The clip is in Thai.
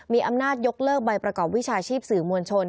มีอำนาจยกเลิกใบประกอบวิชาชีพสื่อมวลชน